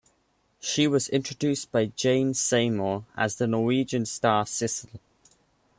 She was introduced by Jane Seymour as the Norwegian star Sissel.